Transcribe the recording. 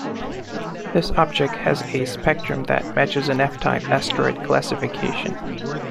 This object has a spectrum that matches an F-type asteroid classification.